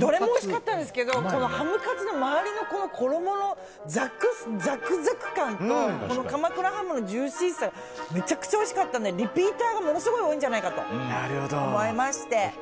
どれもおいしかったんですけどこのハムカツの周りの衣のザクザク感と鎌倉ハムのジューシーさめちゃくちゃおいしかったのでリピーターがものすごい多いんじゃないかと思いまして。